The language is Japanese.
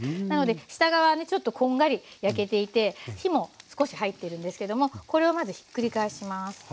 なので下側ねちょっとこんがり焼けていて火も少し入ってるんですけどもこれをまずひっくり返します。